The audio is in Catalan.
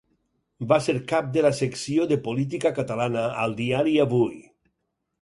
Va ser cap de la secció de política catalana al diari Avui.